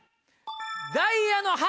ダイヤの８。